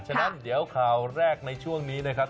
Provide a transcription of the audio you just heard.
ฉะนั้นเดี๋ยวข่าวแรกในช่วงนี้นะครับ